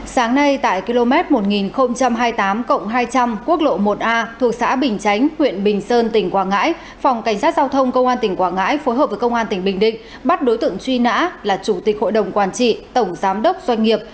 sáng nay tại km một nghìn hai mươi tám hai trăm linh quốc lộ một a thuộc xã bình chánh huyện bình sơn tỉnh quảng ngãi phòng cảnh sát giao thông công an tỉnh quảng ngãi phối hợp với công an tỉnh bình định bắt đối tượng truy nã là chủ tịch hội đồng quản trị tổng giám đốc doanh nghiệp